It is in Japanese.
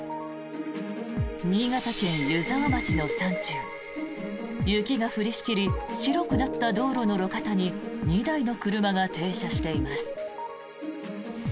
新潟県湯沢町の山中雪が降りしきり白くなった道路の路肩に２台の車が停車しています。